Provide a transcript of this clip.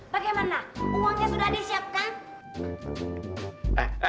bagaimana uangnya sudah disiapkan